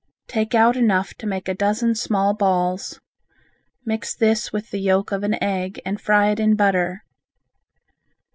Take out enough to make a dozen small balls, mix this with the yolk of an egg and fry it in butter.